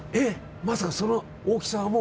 まさかその大きさはもう。